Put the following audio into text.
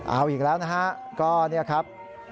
เอาอีกแล้วนะครับก็นี่ครับ